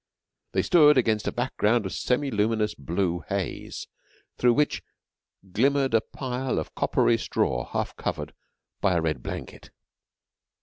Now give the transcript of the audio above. They stood against a background of semi luminous blue haze, through which glimmered a pile of coppery straw half covered by a red blanket.